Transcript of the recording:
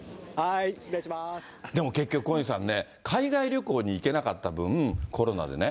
でも結局、小西さんね、海外旅行に行けなかった分、コロナでね。